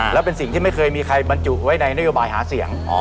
แล้วเป็นสิ่งที่ไม่เคยมีใครบรรจุไว้ในนโยบายหาเสียง